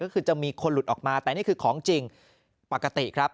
ก็คือจะมีคนหลุดออกมาแต่นี่คือของจริงปกติครับ